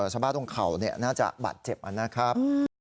สะบาดตรงเข่าน่าจะบัดเจ็บอ่ะนะครับ